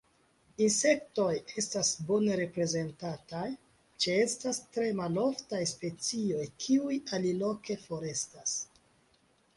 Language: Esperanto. Insektoj estas bone reprezentataj: ĉeestas tre maloftaj specioj kiuj aliloke forestas.